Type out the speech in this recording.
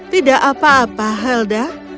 tidak apa apa helda